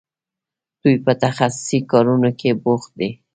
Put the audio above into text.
دوی په تخصصي کارونو کې بوختې دي.